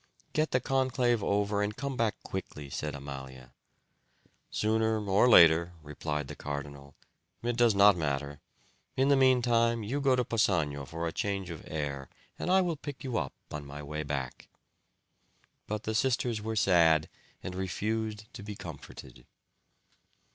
"Get the conclave over and come back quickly," said Amalia. "Sooner or later," replied the Cardinal, "it does not matter. In the meantime you go to Possagno for a change of air and I will pick you up on my way back." But the sisters were sad, and refused to be comforted.